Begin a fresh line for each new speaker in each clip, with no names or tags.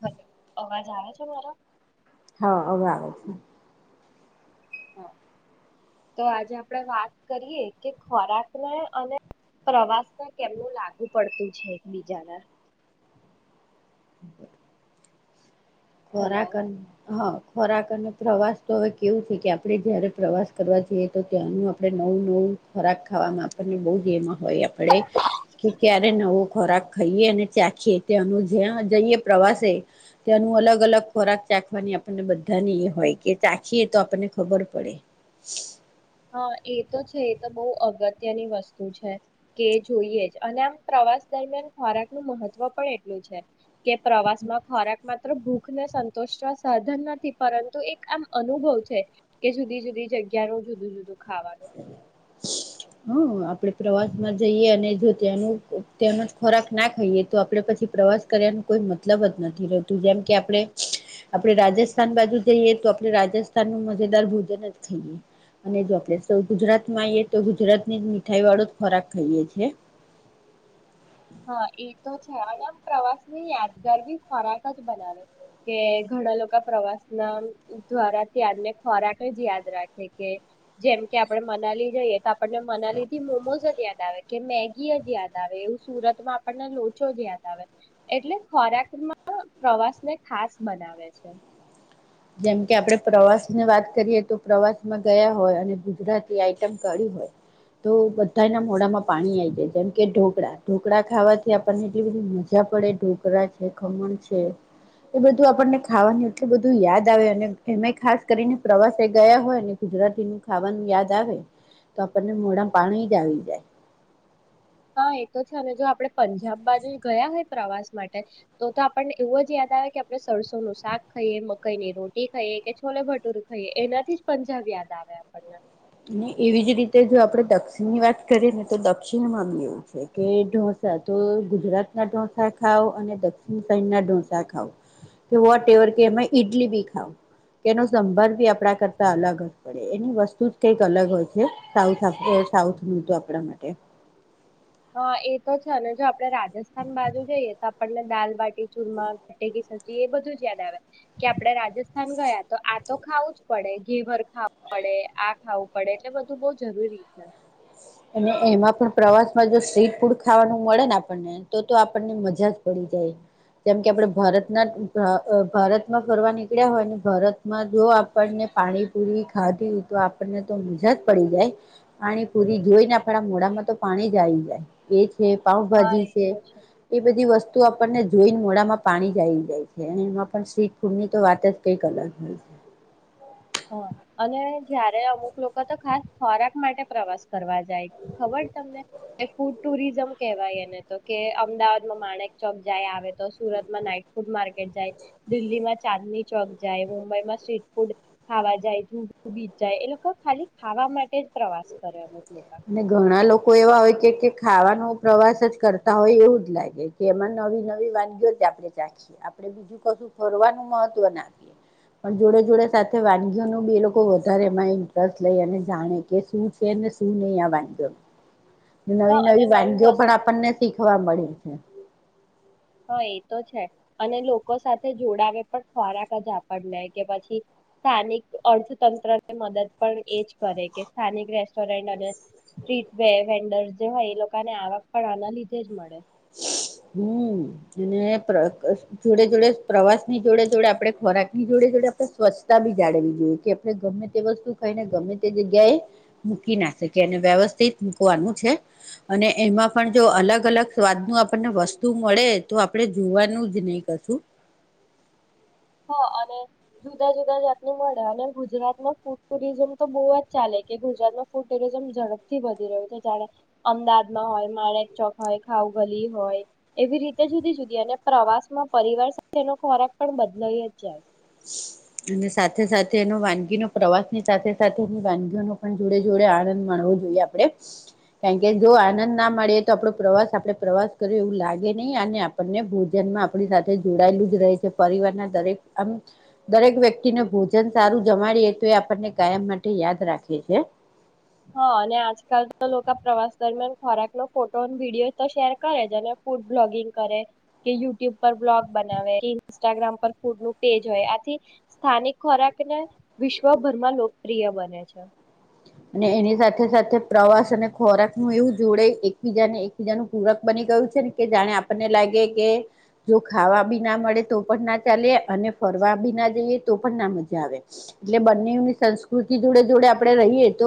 હ, અવાજ આવે છે મારો?
હમ્મ.
હા, તો આજે આપડે વાત કરીએ કે ખોરાકને અને પ્રવાસને કેમનું લાગુ પડતું છે, એકબીજાના હલો
ખોરાક અ હ ખોરાક અને પ્રવાસ તો હવે કેવું છે, કે આપણે જયારે પ્રવાસ કરવા જઈએ તો ત્યાંનું આપણે નવું-નવું ખોરાક ખાવાવામાં આપણને બહુ જ એમ હોય આપણેે કે ક્યારે નવો ખોરાક ખાઈએ અને ચાખીએ ત્યાંનું જ્યાં જઈએ પ્રવાસે ત્યાંનું અલગ અલગ ખોરાક ચાખવાની આપણને બધાની એ હોય કે ચાખીએ તો આપણને ખબર પડે
હા એ તો છે, એ તો બહુ અગત્યની વસ્તુ છે, કે જોઈએ જ અને આમ પ્રવાસ દરમિયાન ખોરાક નું મહત્વ પણ એટલું છે. કે પ્રવાસ માં ખોરાક માત્ર ભૂખ દુઃખખને સંતોષવા સાધન નથી પરંતુ એક આમ અનુભવ છે કે જુદી-જુદી જગ્યાનું જુદ જુદો ખાવાનું
હમ આપણેે પ્રવાસમાં જઈએ અને જો ત્યાનું-ત્યાનું જ ખોરાક ના ખાઈએ તો આપડે પછી પ્રવાસ કર્યાનું કોઈ મતલબ જ નથી રહેતું જેમ કે આપણે-આપણે રાજસ્થાન બાજુ જઈએ તો આપણે રાજસ્થાન નું મજેદાર ભોજન જ ખાઈએ અને જો આપણે તો ગુજરાતમાં આવીએ તો ગુજરાત ની જ મીઠાઈ વાળો જ ખોરાક ખાઈએ છીએ.
હા એ તો છે, અને આમ પ્રવાસની યાદગાર બી ખોરાક જ બનાવે કે ઘણા લોકો પ્રવાસ ના દ્વારા ત્યાારને ખોરાક જ યાદ રાખે કે જેમ કે આપણે મનાલી જઈએ આપણને મનાલીથી મોમોઝ જ આવે કે મેગીય જ યાદ આવે. સુરતમાં આપણને લોચો જ યાદ આવે એટલે ખોરાકમાં પ્રવાસ ને ખાસ બનાવે છે.
જેમકે આપડે પ્રવાસ ની વાત કરીએ તો પ્રવાસમાં ગયા હોય અને ગુજરાતી આઈટમ કાઢી હોય તો બધાના મોડામાં પાણી આવી જાય જેમકે ઢોકળા-ઢોકળા ખાવાથી આપણને એટલી બધી મજા પડે ઢોકળા છે, ખમણ છે, એ બધું આપણને ખાવાનું એટલું બધું યાદ આવે એ ખાસ કરીને પ્રવાસે ગયા હોયને ગુજરાતી નું ખાવાનું યાદ આવે તો આપણને મોઢામા પાણી જ આવી જાય
હા એ તો છે, અને જો આપણે પંજાબ બાજુ ગયા હોય પ્રવાસ માટે તો તો આપણને એવું જ યાદ આવે કે આપણે સરસોનું શાક ખાઈએ, મકાઈની રોટી ખાઈએ કે છોલે ભટુરે ખાઈએ એનાથી જ પંજાબ યાદ આવે આપણને
અને એવી જ રીતે જો આપણે દક્ષિણની વાત કરીએ ને તો દક્ષિણમાં બી એવું છે, કે ઢોસા તો ગુજરાત ના ઢોસા ખાવ અને દક્ષિણ સાઇડ ના ઢોસા ખાવ કે વોટ એવર કે એમાં ઈડલી બી ખાવ કે એનો સંભાર બી આપડા કરતા અલગ જ પડે એની વસ્તુ જ કઈક અલગ હોય છે, સાઉથ-સાઉથ નું તો આપણા માટે
હા, એ તો છે અને જો આપ આપણે રાજસ્થાન બાજુ જઈએ તો આપણને દાલબાટી ચૂરમા, ગટેકી સબજી એ બધું જ યાદ આવે કે આપડે રાજસ્થાન ગયા તો આ તો ખાવું જ પડે ઘેવર ખાવું પડે, આ ખાવું પડે એટલે બધું બહ જરૂરી છે.
અને એમાં પણ પ્રવાસમાં જો સ્ટ્રીટ ફૂડ ખાવાનું મળે ને આપણને તો-તો આપણને મજા જ પડી જાય જેમ કે આપણે ભારતના ભારતમાં ફરવા નીકળ્યા હોય ભારતમાં જો આપણને પાણીપુરી ખાધી હો તો આપણને તો મજા જ પડી જાય પાણીપુરી જોઈ ને આપડા મોઢામાં તો પાણી જ આવી જાય એજ કે
હા
પાઉભાજી
એ
છે,
તો
એ બધી વસ્તુ આપણને જોઈને મોઢામાં પાણી જ આઈ જાય છે એમાં પણ સ્ટીટ ફૂડ ની તો વાત જ કઈક અલગ હોય છે.
હ અને જયારે અમુક લોકો તો ખાસ ખોરાક માટે પ્રવાસ કરવા જાય ખબર તમને ફૂડ ટુરિઝમ કહેવાય એને તો કે અમદાવાદમાં માણેક ચોક જાય, આવે તો સુરતમાં નાઈટ ફૂડ માર્કેટ જાય, દિલ્હીમાં ચાંદની ચોક જાય, મુંબઈમાં સ્ટ્રીટ ફૂડ ખાવા જાય [unintelligible] બીજ જાય એ લોકો ખાલી ખાવા માટે જ પ્રવાસ કરે. લોકો
અને ઘણા લોક લોકો એવા હોય કે ખાવાનો પ્રવાસ જ કરતા હોય એવું જ લાગે કે એમાં નવી નવી વાનગીઓ જ આપણે ચાખીએ આપણે બીજું કશું ફરવાનું મહત્વ નાખીએ પણ જોડે જોડે સાથે વાનગીઓ ન બ લોકો વધારે એમાં ઇન્ટરેસ્ટ લઈ અને જાણે કે શું છેને શું [unintelligible] નવી
હા અને
નવી
નવું
વાનગીઓ પણ
વસ્તુ
આપણને શીખવા મળી છે.
હા એ તો છે અને લોકો સાથે જોડાવે પણ ખોરાક જ આપણને કે પછી સ્થાનિક અર્થતંત્ર ને મદદ પણ એજ કરે કે સ્થાનિક રેસ્ટોરન્ટ અને સ્ટ્રીટ વે વેન્ડર જે હોય એ લોકોને આવક પણ આના લીધે જ મળે.
હમ્મ અને જોડે જોડે પ્રવાસ ની જોડે જોડે આપડે ખોરાક ની જોડે જોડે આપણે સ્વચ્છતા બી જાળવી જોઈએ કે આપણે ગમે તે વસ્તુ કઈને ગમે તે જગ્યાએ મૂકી ના શકે એ વ્યવસ્થિત મૂકવાનું છે અને એમાં પણ જો અલગ અલગ સ્વાદ નું આપણને વસ્તુ મળે તો આપડે જોવાનું જ નહી કશું
હ અને જુદા જુદા જાતની મળે અને ગુજરાતમાં ફૂડ ટુરિઝમ તો બહુ જ ચાલે કે ગુજરાતમાં ફૂડ ટુરિઝમ ઝડપથી વધી રહ્યું છે જાણે અમદાવાદમાં હોય માણેક ચોક હોય ખઉગલી હોય એવી રીતે જુદી જુદી અને પ્રવાસમાં પરિવાર સાથેનો ખોરાક પણ બ લઇ જ જાય
અને સાથે સાથે એનો વાનગીનો પ્રવાસ ની સાથે સાથે એની વાનગીઓનો પણ જોડે જોડે આનંદ માણવો જોઈએ આપડે કારણ કે જો આનંદ ના મળીએ તો આપણો પ્રવાસ આપણે પ્રવાસ કર્યો એવું લાગે નહીં અને આપણને ભોજનમાં આપણી સાથે જોડાયેલું જ રહે છે પરિવારના દરેક આમ દરેક વ્યક્તિને ભોજન સારું જમાડીએ તો એ આપણને કાયમ માટે યાદ રાખીએ છે
હા અને આજકાલ તો લોકો પ્રવાસ દરમિયાન ખોરાકનોો ફોટો વિડીિયો તો શેર કરે છે અને ફૂડ બ્લોગિંગ કરે કે યુટ્યુબ પર બ્લોગ બનાવે કે ઇન્સ્ટાગ્રામ પર ફૂડ નું પેજ હોય આથી સ્થાનિક ખોરાક ને વિશ્વભરમાં લોકપ્રિય બને છે
અને એની સાથે સાથે પ્રવાસ અને ખોરાક નું એવું જોડે એકબીજા ને એકબીજા ન પૂરક બની ગયું છે ને કે જાણે આપણને લાગે કે જો ખાવા બી ના મળે તો પણ ના ચાલે અને ફરવા બી ના જઈએ તો પણ ના મજા આવે એટલે બંનેની સંસ્કૃતિ જોડે જોડે આપણે રહીએ તો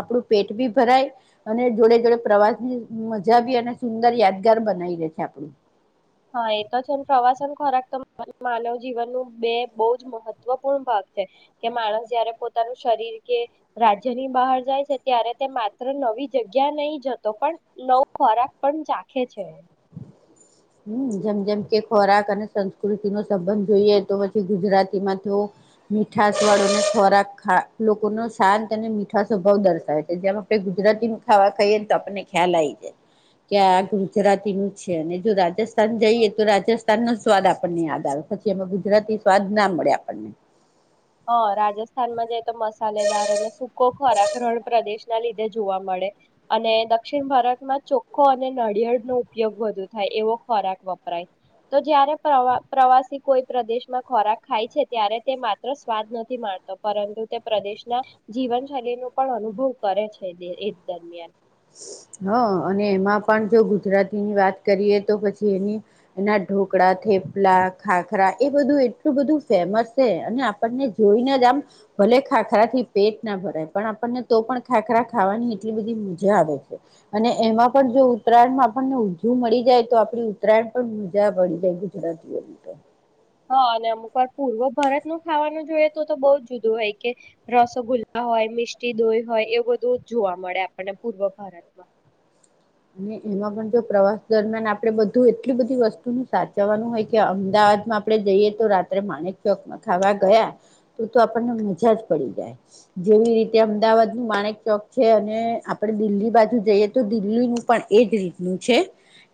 આપણું પેટ ભી ભરાય અને જોડે જોડે પ્રવાસની મજા ભી અને સુંદર યાદગાર બનાવી રે છે આપણું
હા એ તો છે પ્રવાસન ખોરાક તો માનવ જીવન ન બે બહુ જ મહત્વપૂર્ણ ભાગ છે કે માણસ જયારે પોતાનું શરીર કે રાજ્યની બહાર જાય છે ત્યારે તે માત્ર નવી જગ્યા નહી જતો પણ નવ ખોરાક પણ ચાખે છે
હમ જેમ જેમ કે ખોરાક અને સંસ્કૃતિ નો સંબંધ જોઈએ તો પછી ગુજરાતીમાં તો મીઠશ વાળો ખોરાક લોકો ન શાંત અને મીઠા સ્વભાવ દર્શાવે છે જેમ આપણે ગુજરાતી ખાવા ખાઈએ ને તો આપણને ખ્યાલ આવી જાય કે આ ગુજરાતી કિંગ છે અને જો રાજસ્થાન જઈએ તો રાજસ્થાન નો સ્વાદ આપણને યાદ આવે પછી એમાં ગુજરાતી સ્વાદ ના મળે આપણને
હા રાજસ્થાનમાં જાય તો મસાલેદાર અને સૂકો ખોરાક રણ પ્રદેશ ના લીધે જોવા મળે અને દક્ષિણ ભારતમાં ચોખ્ખો અને નડિયળ નો ઉપયોગ વધુ થાય એવો ખોરાક વપરાય તો જયારેવા પ્રવાસી કોઈ પ્રદેશમાં ખોરાક ખાય છે ત્યારે તે મા એ સ્વાદ નથી માણતો પરંતુ તે પ્રદેશના જીવનશૈલી નું પણ અનુભવ કરે છે એ દરમિયાન
હ અને એમાં પણ જો ગુજરાતીની વાત કરીએ તો પછી એની એના ઢોકળા થેપલા ખાખરા એ બધું એટલું બધું ફેમસ છે અને આપણને જોઈને જ આમ ભલે ખાખરા થી પેટ ના ભરાય પણ આપણને તો પણ ખાખરા ખાવાની એટલી બધી મજા મજા આવે છે અને એમાં પણ જો ઉત્તરાયણમાં આપણને ઊજું મળી જાય તો આપડી ઉત્તરાયણ પણ મજા પડી જાય ગુજરાતીઓની તો
હા અને અમુક વાર પૂર્વ ભારતનું ખાવાનું જોઈએ તો તો બઉ જ જુદું હોય કે રસગુલ્લા હોય મિસ્ટી દોહી હોય એ બધું જ જોવા મળે આપણને પૂર્વ ભારતમાં
અને એમાં પણ જો પ્રવાસ દરમિયાન આપડે બધું એટલી બધી વસ્તુનું સાચવવાનું હોય કે અમદાવાદમાં આપણે જઈએ તો રાત્રે માણેક ચોકમાં ખાવા ગયા તો તો આપણને મજા જ પડી જાય. જેવી રીતે અમદાવાદ નું માણેક ચોક છે અને આપણે દિલ્હી બાજુ જઈએ તો દિલ્હી પણ એજ રીતનું છે.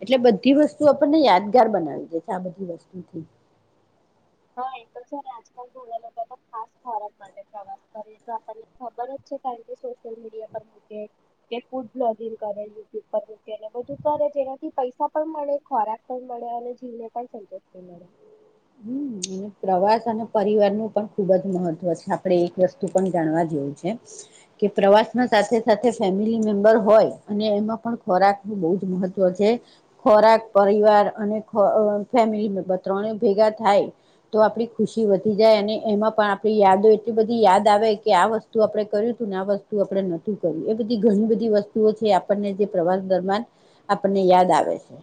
એટલે બધી વસ્તુ આપણને યાદગાર બનાવી દે છે આ બધી વસ્તુથી.
હા, એ તો છેને આજકાલ [inaudible] ખાસ ખોરાક માટે પ્રવાસ કરે તો આપણને ખબર જ છે કારણ કે સોશિયલ મીડિયા પર મૂકે કે ફૂડ બ્લોગિંગ કરે યુટ્યુબ પર મૂકે બધું કરે જેનાથી પૈસા પણ મળે, ખોરાક પણ મળે અને જીવને પણ સંતુષ્ટિ મળે.
હમ્મ અને પ્રવાસ અને પરિવાર નું પણ ખુબજ મહત્વ છે. આપણેે એક વસ્તુ પણ જાણવા જેવું છે કે પ્રવાસમાં સાથે સાથે ફેમિલી મેમ્બર હોય અને એમાં પણ ખોરાક ન બહ જ મહત્વ છે. ખોરાક પરિવાર અને અહ ફેમિલી મેમ્બર ત્રણે ભેગા થાય તો આપડી ખુશી વધી જાય અને એમાં પણ આપણી યાદો એટલી બધી યાદ આવે કે આ વસ્તુ આપણે કર્યું હતું ને આ વસ્તુ આપણે નતું કર્યું. એ બધી ઘણી બધી વસ્તુઓ છે આપણને જે પ્રવાસ દરમિયાન આપણને યાદ આવે છે.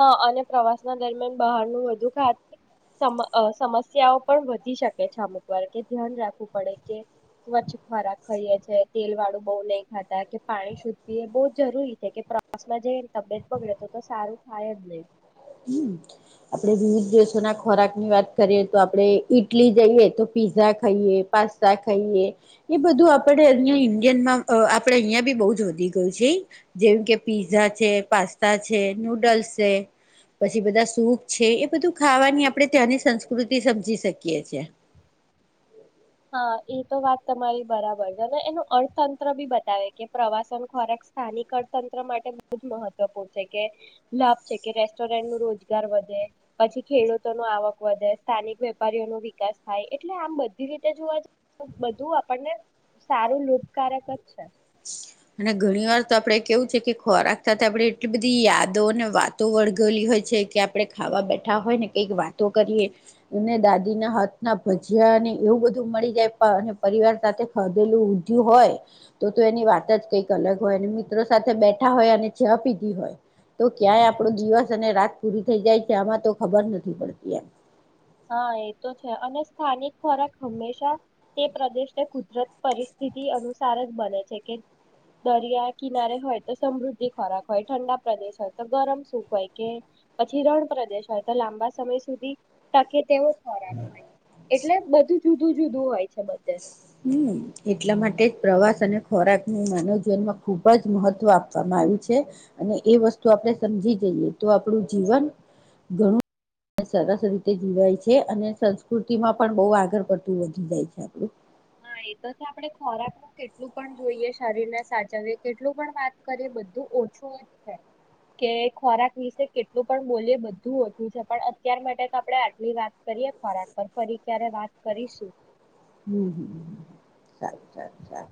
હા અને પ્રવાસ ના દરમિયાન બહારનું વધુ ખા [inaudible] સમ અહ સમસ્યાઓ પણ વધી શકે છે અમુક વારે એ ધ્યાન રાખવું પડે કે સ્વચ્છ ખોરાક ખાઈએ છે, તેલ વાળું બહુ નહીં ખાતા કે પાણી શુદધ પીએ બહુ જરૂરી છે કે પ્રવાસમાં જે તબિયત બગડે તો તો સારું થાય અજ નહી.
હમ્મ આપણેે વિવિધ દેશોના ખોરાકની વાત કરીએ તો આપડણે ઈટલી જઈએ તો પીઝા ખઈએ પાસ્તા ખઈએ એ બધું આપણે અહિયાં ઇન્ડિયનમાં અહ આપડે અહિયાં બી બહુંજ વધી ગયું છે જેમ કે પીઝા છે, પાસ્તા છે, નૂડલ્સ છે પછી બધા સૂપ છે એ બધું ખાવાની આપડણે ત્યાંની સંસ્કૃતિ સમજી શકીએ છેએ.
હા, એ તો વાત તમારી બરાબર છે અને એનું અર્થતંત્ર બી બતાવે કે પ્રવાસન ખોરાક સ્થાનિક અર્થતંત્ર માટે બહુ જ મહત્વપૂર્ણ છે કે લાભ છે કે રેસ્ટોરન્ટ નું રોજગાર વધે પછી ખેડૂતો નો આવક વધે સ્થાનિક વેપારીઓ નું વિકાસ થાય એટલે આમ બધી રીત તે જોવા જ બધું આપણને સારું લોભકારક જ છે.
અને ઘણી વાર તો આપડે કેવું છે કે ખોરાક સાથે આપણે એટલી બધી યાદો અને વાતો વળગલી હોય છે કે આપણે ખાવા બેઠા હોય ને કઈક વાતો કરીએ એને દાદીના હાથના ભજયાને એવું બધું મળી જાય અને પરિવાર સાથે ખધેલું ઊધ્યું હોય તો તો એની વા તજ કંઈક અલગ હોય અને મિત્રો સાથે બેઠા હોય અને ચાહ પીધી હોય તો ક્યાંય આપણો દિવસ અને રાત પૂરી થઈ જાય છે આમાં તો ખબર નથી પડતી એમ.
હા એ તો છે અને સ્થાનિક ખોરાક હંમેશા તે પ્રદેશને કુદરત પરિસ્થિતિ અનુસાર જ બને છે કે દરિયા કિનારે હોય તો સમૃદ્ધિ ખોરાક હોય, ઠંડા પ્રદેશ હોય તો ગરમ સુખ હોય કે પછી રણ પ્રદેશ હોય તો લાંબા સમય સુધી તાકે તેઓ ખોરાક હોય. એટલે બધું જુ તું જુદું હોય. છે બધે
હમ્મ, એટલા માટે પ્રવાસ તને ખોરાકને માનવ જીવનમાં ખુબજ મહત્વ આપવામાં આવ્યું છે અને એ વસ્તુ આપણે સમજી જઈએ તો આપણું જીવન ઘણું સરસ રીતે જીવાય છે. અને સંસ્કૃતિમાં પણ બહુ આગળ પડતું વધી જાય છે આપણું.
હા, એ તો આપણે ખોરાકનું કેટલું પણ જોઈએ શરીરને સાચવીએ કેટલું પણ વાત કરીએ બધું ઓછું જ છે. કે ખોરાક વિશે કેટલું પણ બોલીએ બધું ઓછું છે પણ અત્યાર માટે તો આપણે આટલી વાત કરીએ ખોરાક પર ફરી ક્યારે વાત કરીશું.
હમ્મ, હમ્મ. સારું, સારું, સારું.